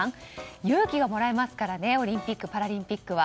勇気がもらえますからねオリンピック・パラリンピックは。